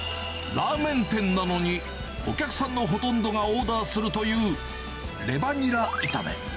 ラーメン店なのに、お客さんのほとんどがオーダーするというレバニラ炒め。